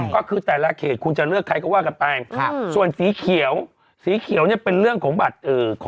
ก็คือแต่ละเขตคุณจะเลือกใครก็ว่ากันไปส่วนสีเขียวสีเขียวเนี่ยเป็นเรื่องของบัตร